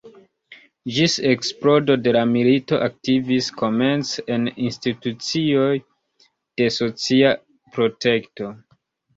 Ĝis eksplodo de la milito aktivis komence en institucioj de socia protekto.